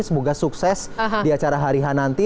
semoga sukses di acara hari hari nanti